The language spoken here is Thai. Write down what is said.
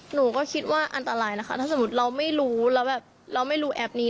หนูก็คิดว่าอันตรายนะคะถ้าสมมุติเราไม่รู้แล้วแบบเราไม่รู้แอปนี้